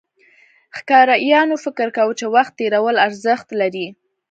ښکاریانو فکر کاوه، چې وخت تېرول ارزښت لري.